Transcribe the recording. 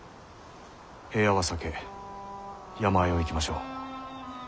平野は避け山あいを行きましょう。